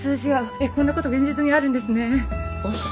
えっこんな事現実にあるんですね。